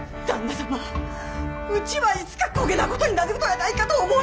様うちはいつかこげな事になるとやないかと思う